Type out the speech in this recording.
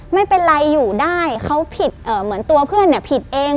ไม่เป็นไรอยู่ได้เขาผิดเหมือนตัวเพื่อนเนี่ยผิดเอง